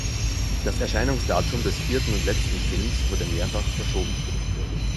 Das Erscheinungsdatum des vierten und letzten Films wurde mehrfach verschoben.